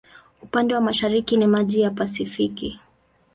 Upande wa mashariki ni maji ya Pasifiki.